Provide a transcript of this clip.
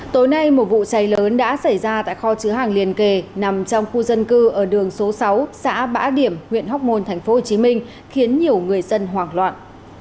tối nay một vụ cháy lớn đã xảy ra tại kho chứa hàng liền kề nằm trong khu dân cư ở đường số sáu xã bãi điểm huyện hóc môn tp hcm khiến nhiều người dân hoảng loạn